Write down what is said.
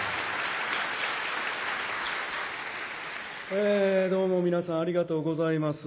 えどうも皆さんありがとうございます。